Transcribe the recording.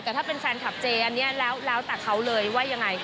แต่ถ้าเป็นแฟนคลับเจอันเนี่ยแล้วตะเขาเลยไงก็ได้